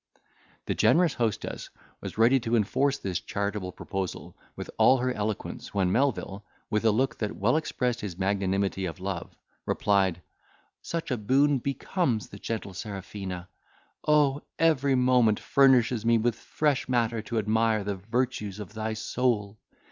The generous hostess was ready to enforce this charitable proposal with all her eloquence, when Melvil, with a look that well expressed his magnanimity of love, replied, "Such a boon becomes the gentle Serafina! O! every moment furnishes me with fresh matter to admire the virtues of thy soul.